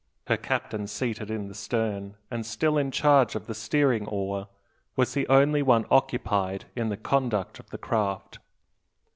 Her captain, seated in the stern, and still in charge of the steering oar, was the only one occupied in the conduct of the craft.